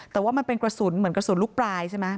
แต่ว่ามันเป็นกระสุนเหมือนกระสุนลูกปลายใช่ไหม